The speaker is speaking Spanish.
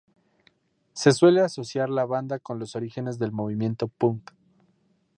Se suele asociar la banda con los orígenes del movimiento punk.